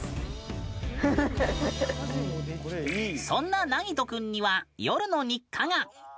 そんななぎと君には夜の日課が。